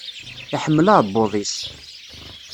Iḥemmel aɛebbuḍ-is.